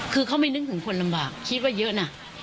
คือเขาไม่นึกถึงคนลำบากคิดว่าเยอะนะ